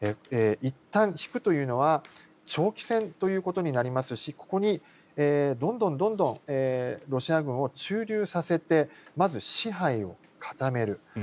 いったん引くというのは長期戦ということにもなりますしここにどんどんロシア軍を駐留させてまず支配を固める。